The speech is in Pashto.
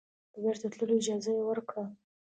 د بیرته تللو اجازه یې ورکړه.